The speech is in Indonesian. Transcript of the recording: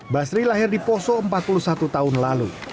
basri lahir di poso empat puluh satu tahun lalu